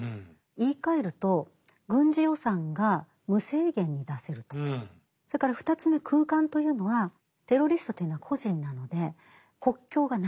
言いかえるとそれから２つ目「空間」というのはテロリストというのは個人なので国境がないんです。